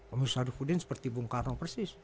om syarifudin seperti bung karno persis